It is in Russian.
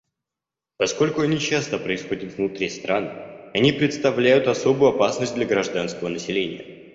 Поскольку они часто происходят внутри стран, они представляют особую опасность для гражданского населения.